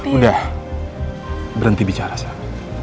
udah berhenti bicara sal